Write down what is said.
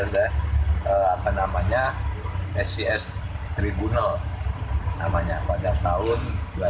dari scs tribunal pada tahun dua ribu enam belas